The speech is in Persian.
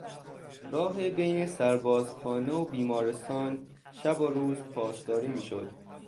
راه بین سربازخانه و بیمارستان شب و روز پاسداری میشد.